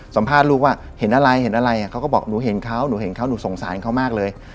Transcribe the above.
สัมภาษณ์ลูกว่าเห็นอะไรเห็นอะไรเขาก็บอกหนูเห็นเขาหนูเห็นเขาหนูสงสารเขามากเลย